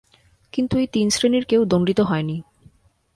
কিন্তু এই তিন শ্রেণির কেউ দণ্ডিত হয়নি।